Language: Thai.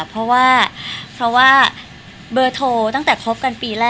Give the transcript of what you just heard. เพราะว่าเบอร์โทรตั้งแต่ครบกันปีแรก